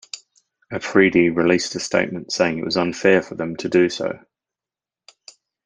Afridi released a statement saying it was unfair for them to do so.